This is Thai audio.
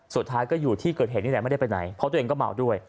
สุดท้ายก็อยู่ที่เกิดเหตุนี่แหละไม่ได้ไปไหนเพราะตัวเองก็เมาด้วย